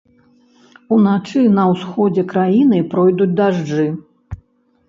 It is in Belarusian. Уначы на ўсходзе краіны пройдуць дажджы.